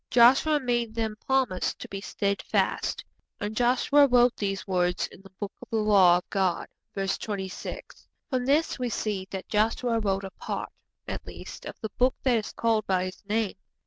Joshua made them promise to be steadfast. 'And Joshua wrote these words in the Book of the Law of God.' (Verse 26.) From this we see that Joshua wrote a part, at least, of the Book that is called by his name.